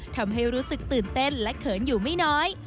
ทำให้รู้สึกตื่นเต้นและเขินอยู่ไม่น้อย